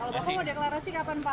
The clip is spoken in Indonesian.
kalau bapak mau deklarasi kapan pak